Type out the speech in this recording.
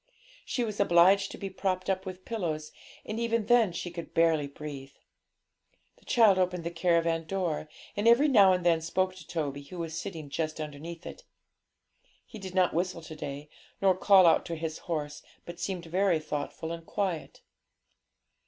She was obliged to be propped up with pillows, and even then she could hardly breathe. The child opened the caravan door, and every now and then spoke to Toby, who was sitting just underneath it. He did not whistle to day, nor call out to his horse, but seemed very thoughtful and quiet.